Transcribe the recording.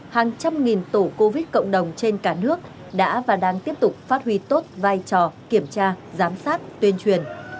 hàng trăm nghìn tổ covid cộng đồng trên cả nước đã và đang tiếp tục phát huy tốt vai trò kiểm tra giám sát tuyên truyền